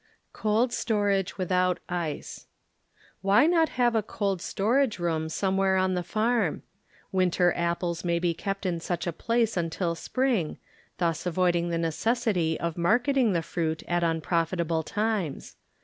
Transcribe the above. Oold Storage Withoat loe Why not have a cold storage room somewhere on the farm? Winter apples may be kept in such a place until spring, thus avoiding the necessity of market ing the fruit at unprofitable times.